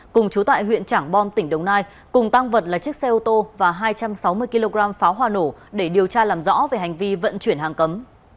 cùng chú tại huyện trảng bom tỉnh đồng nai cùng tăng vật là chiếc xe ô tô và hai trăm sáu mươi kg pháo hoa nổ để điều tra làm rõ về hành vi vận chuyển hàng cấm